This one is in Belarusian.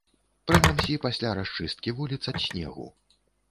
Прынамсі, пасля расчысткі вуліц ад снегу.